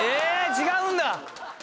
違うんだ。